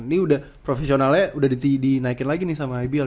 ini udah profesionalnya udah dinaikin lagi nih sama ibl